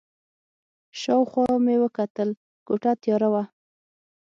شا او خوا مې وکتل چې کوټه تیاره وه.